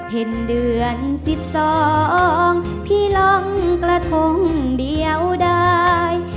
เห็นเดือนสิบสองพี่หลงกระทงเดียวได้